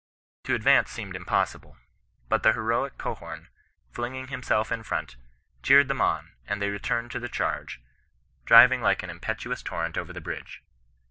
To advance seemed impossible; but the heroic Gohom, flinging himself in front, cheered them on, and they returned to the charge, driving like an im petuous torrent over the bridge.